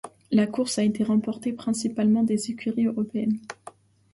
La course a été remportée principalement par des écuries européennes.